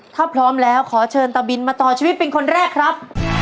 ถ้าพร้อมแล้วขอเชิญตะบินมาต่อชีวิตเป็นคนแรกครับ